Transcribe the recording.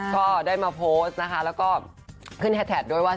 ก็ได้มาโพสต์นะคะแล้วก็ขึ้นแฮดแท็กด้วยว่า